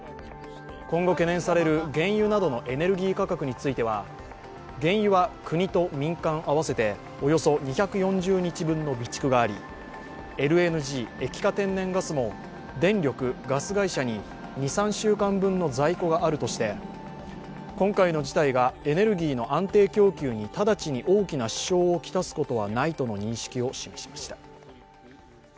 今後懸念される原油などのエネルギー価格については原油は国と民間合わせておよそ２４０日分の備蓄がありＬＮＧ＝液化天然ガスも電力・ガス会社に２３週間分の在庫があるとして今回の事態がエネルギーの安定供給に直ちに大きな支障をきたすことはないとの認識を示しました。